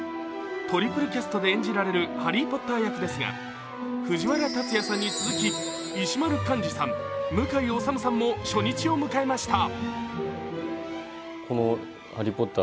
トリプルキャストで演じられるハリー・ポッター役ですが、藤原竜也さんに続き、石丸幹二さん向井理さんも初日を迎えました。